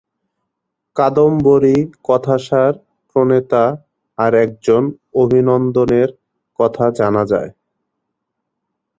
কাদম্বরীকথাসার প্রণেতা আর একজন অভিনন্দের কথা জানা যায়।